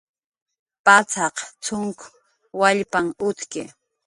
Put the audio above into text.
Pacxaq cxunk wallpanh utki